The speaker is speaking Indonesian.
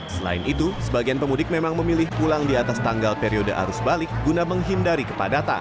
selain itu sebagian pemudik memang memilih pulang di atas tanggal periode arus balik guna menghindari kepadatan